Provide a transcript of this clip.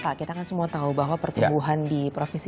pertentangan khutbah pada beberapa baris didemokrasi